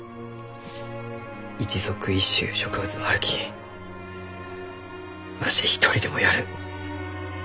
一属一種ゆう植物もあるきわし一人でもやる。